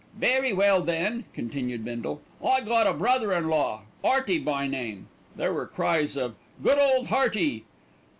"Very well, then," continued Bindle. "I got a brother in law, 'Earty by name." (There were cries of "Good old Hearty!")